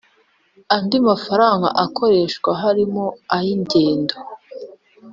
Andi mafaranga akoreshwa harimo ay ingendo